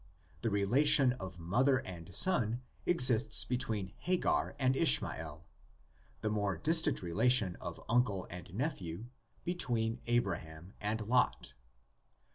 The rela tion of mother and son exists between Hagar and Ishmael; the more distant relation of uncle and nephew between Abraham and Lot.